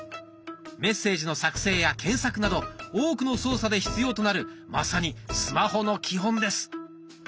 メッセージの作成や検索など多くの操作で必要となるまさにスマホの基本です。